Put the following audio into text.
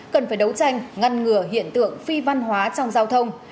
cần phải đấu tranh ngăn ngừa hiện tượng phi văn hóa trong giao thông